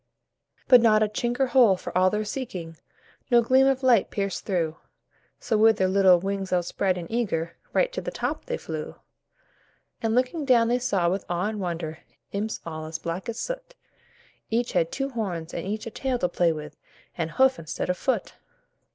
But not a chink or hole, for all their seeking, No gleam of light pierced through, So with their little wings outspread and eager, Right to the top they flew. And looking down they saw with awe and wonder. Imps all as black as soot; Each had two horns and each a tail to play with, And hoof, instead of foot.